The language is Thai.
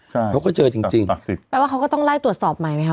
ใช่เขาก็เจอจริงจริงแปลว่าเขาก็ต้องไล่ตรวจสอบใหม่ไหมคะ